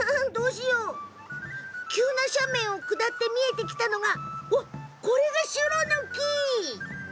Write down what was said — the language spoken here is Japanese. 急な斜面を下って見えてきたのがシュロの木。